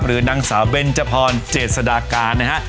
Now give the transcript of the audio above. หรือนางสาวเบนจะพอร์นเจศดาการนะฮะ